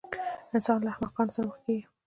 انسان له احمقانو سره مخ کېږي.